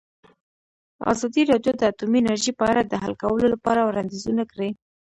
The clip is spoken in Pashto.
ازادي راډیو د اټومي انرژي په اړه د حل کولو لپاره وړاندیزونه کړي.